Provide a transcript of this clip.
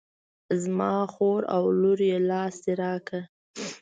زما خور او لور یې لاس دې را کړه.